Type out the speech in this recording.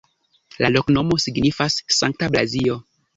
La loknomo signifas: Sankta Blazio.